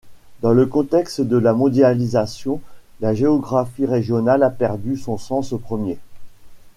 Dans le contexte de la mondialisation, la géographie régionale a perdu son sens premier.